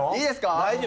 大丈夫？